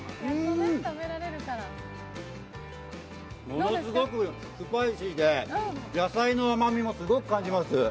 ものすごくスパイシーで、野菜のうまみもすごく感じます。